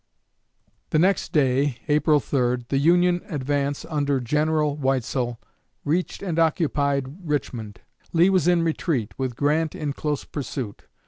'" The next day (April 3) the Union advance, under General Weitzel, reached and occupied Richmond. Lee was in retreat, with Grant in close pursuit.